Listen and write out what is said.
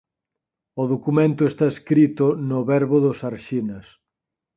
O documento está escrito no verbo dos arxinas.